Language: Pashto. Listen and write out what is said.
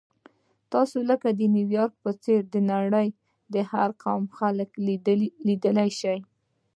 تاسو لکه د نیویارک په څېر د نړۍ د هر قوم خلک لیدلی شئ.